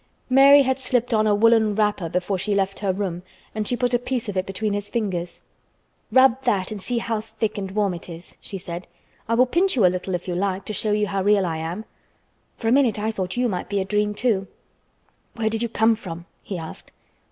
Mary had slipped on a woolen wrapper before she left her room and she put a piece of it between his fingers. "Rub that and see how thick and warm it is," she said. "I will pinch you a little if you like, to show you how real I am. For a minute I thought you might be a dream too." "Where did you come from?" he asked.